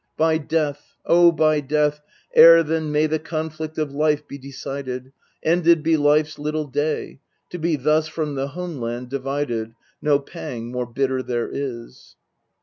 By death oh, by death ere then may the conflict of life be decided, Ended be life's little day ! To be thus from the home land divided No pang more bitter there is.